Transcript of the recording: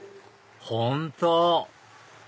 本当！